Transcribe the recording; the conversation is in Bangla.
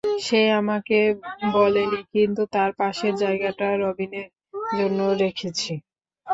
সে আমাকে বলেনি, কিন্তু তার পাশের জায়গাটা রবিনের জন্য রেখেছি।